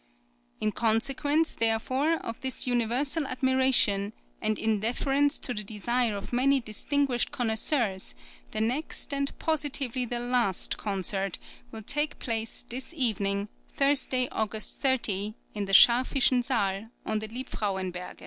In consequence, therefore, of this universal admiration, and in deference to the desire of many distinguished connoisseurs, the next and positively the last concert will take place this evening, Tuesday, August 30, in the Scharfischen Saal, on the Liebfraoenberge.